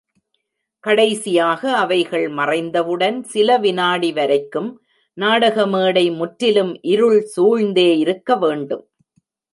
கடைசியாக அவைகள் மறைந்தவுடன் சில விநாடி வரைக்கும் நாடக மேடை முற்றிலும் இருள் சூழ்ந்தே இருக்க வேண்டும்.